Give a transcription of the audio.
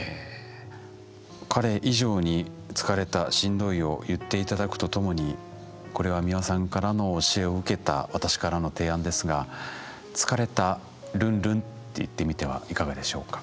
彼以上に「疲れた」「しんどい」を言って頂くとともにこれは美輪さんからの教えを受けた私からの提案ですがと言ってみてはいかがでしょうか。